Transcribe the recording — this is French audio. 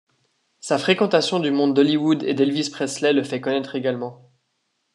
Sa fréquentation du monde d'Hollywood et d'Elvis Presley le fait connaître également.